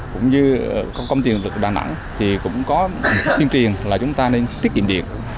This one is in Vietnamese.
cũng như công ty lực đà nẵng thì cũng có chuyên truyền là chúng ta nên thiết kiệm điện